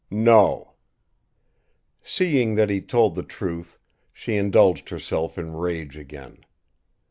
"No." Seeing that he told the truth, she indulged herself in rage again.